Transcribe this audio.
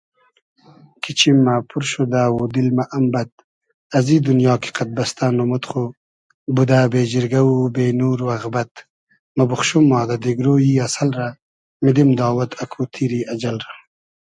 کی چیم مۂ پور شودۂ و دیل مۂ ام بئد ازی دونیا کی قئد بئستۂ نومود خو بودۂ بې جیرگۂ و بې نور و اغبئد موبوخشوم ما دۂ دیگرۉ ای اسئل رۂ میدیم داوئد اکو تیری اجئل رۂ